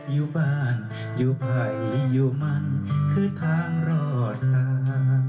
อยู่มันคือทางรอดตาม